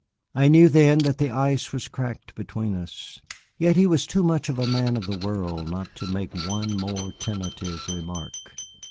I knew then that the ice was cracked between us. Yet he was too much a man of the world not to make one more tentative remark.